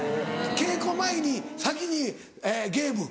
稽古前に先にゲーム？